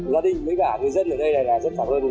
gia đình với cả người dân ở đây là rất cảm ơn